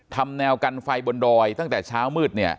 ทำแนวกันไฟบนดอยตั้งแต่เช้ามืด